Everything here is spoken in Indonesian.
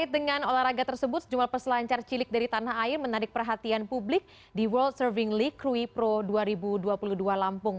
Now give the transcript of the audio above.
dengan olahraga tersebut jumlah peselancar cilik dari tanah air menarik perhatian publik di world surfing league pro dua ribu dua puluh dua lampung